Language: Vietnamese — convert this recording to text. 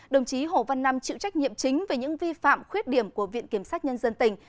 đồng chí hồ văn năm chịu trách nhiệm chính về những vi phạm khuyết điểm của viện kiểm sát nhân dân tỉnh